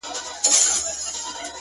پاچا صاحبه خالي سوئ. له جلاله یې.